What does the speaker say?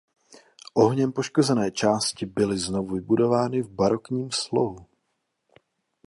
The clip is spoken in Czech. Ohněm poškozené části byly znovu vybudovány v barokním slohu.